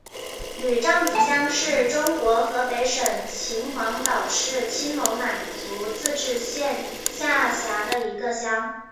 娄杖子乡是中国河北省秦皇岛市青龙满族自治县下辖的一个乡。